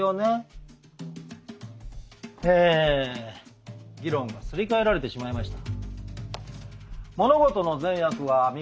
え議論がすり替えられてしまいました。